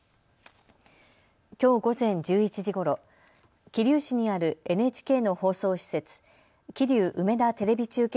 きょう午前１１時ごろ、桐生市にあるＮＨＫの放送施設、桐生梅田テレビ中継